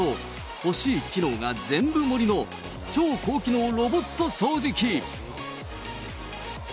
欲しい機能が全部盛りの、超高機能ロボット掃除機。